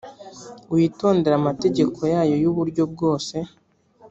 witondere amategeko yayo y’uburyo bwose